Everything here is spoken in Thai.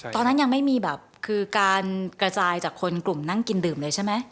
ตอนนั้นยังไม่มีแบบคือการกระจายจากคนกลุ่มนั่งกินดื่มเลยใช่ไหม